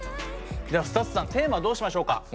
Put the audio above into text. ではＳＴＵＴＳさんテーマはどうしましょうか？